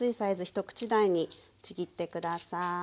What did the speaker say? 一口大にちぎって下さい。